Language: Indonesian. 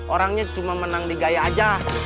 orangnya cuma menang di gaya aja